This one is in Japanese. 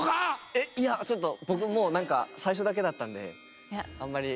えっいやちょっと僕もう何か最初だけだったんで。